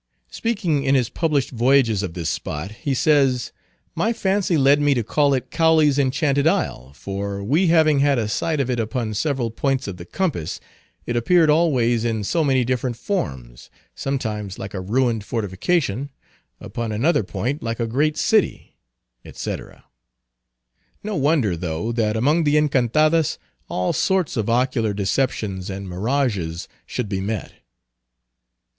Speaking in his published voyages of this spot, he says—"My fancy led me to call it Cowley's Enchanted Isle, for, we having had a sight of it upon several points of the compass, it appeared always in so many different forms; sometimes like a ruined fortification; upon another point like a great city," etc. No wonder though, that among the Encantadas all sorts of ocular deceptions and mirages should be met.